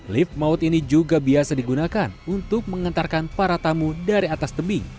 lift maut ini juga biasa digunakan untuk mengantarkan para tamu dari atas tebing